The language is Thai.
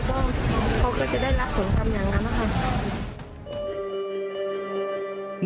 ก็เขาก็จะได้รักษาความความอย่างนั้นนะครับ